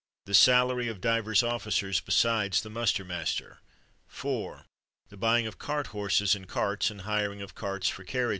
The salary of divers officers besides the muster master. 4. The buying of cart horses and carts, and hiring of carts for carriages.